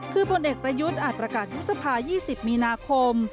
คือผลเอกประยุทธ์อาจประกาศยุบสภา๒๐มีนาคม